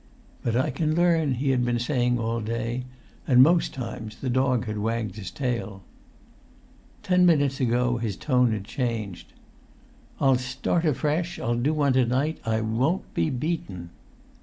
"But I can learn," he had been saying all day; and most times the dog had wagged his tail. Ten minutes ago his tone had changed. "I'll start afresh! I'll do one to night! I won't be beaten!"